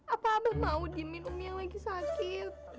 apa apa mau diminum yang lagi sakit